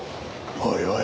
おいおい。